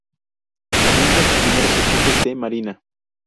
Comienza sus primeros estudios de marina.